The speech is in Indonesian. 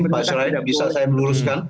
bisa saya meluluskan